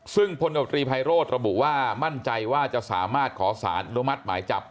ซึ่งพลโนตรีไพโรธระบุว่ามั่นใจว่าจะสามารถขอสารอนุมัติหมายจับ